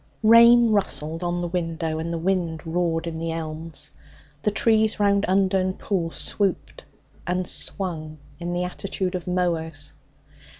Rain rustled on the window and the wind roared in the elms. The trees round Undern Pool stooped and swung in the attitude of mowers.